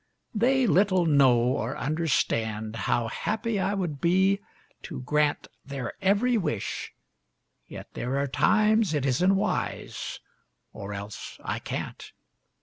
They little know or understand how happy I would be to grant Their every wish, yet there are times it isn't wise, or else I can't.